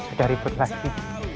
ada ribut lagi